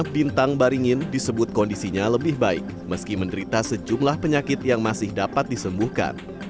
bintang baringin disebut kondisinya lebih baik meski menderita sejumlah penyakit yang masih dapat disembuhkan